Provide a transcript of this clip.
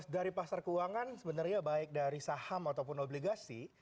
dari pasar keuangan sebenarnya baik dari saham ataupun obligasi